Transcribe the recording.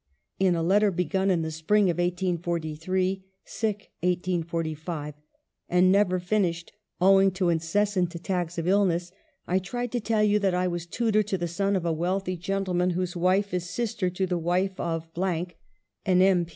In a letter begun in the spring of 1843" ( s *Ci ^45 ?) "and never finished, ow ing to incessant attacks of illness, I tried to tell you that I was tutor to the son of a wealthy gentleman whose wife is sister to the wife of , an M.